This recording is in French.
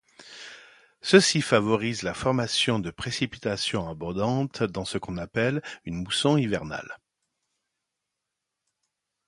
Ceci favorise la formation de précipitations abondantes dans ce qu'on appelle une mousson hivernale.